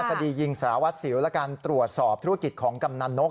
คดียิงสารวัตรสิวและการตรวจสอบธุรกิจของกำนันนก